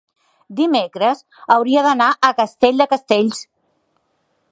Dimecres hauria d'anar a Castell de Castells.